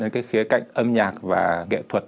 cái khía cạnh âm nhạc và nghệ thuật